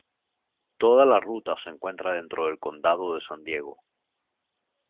Toda la ruta se encuentra dentro del condado de San Diego.